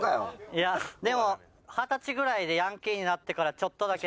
いやでも二十歳ぐらいでヤンキーになってからちょっとだけ。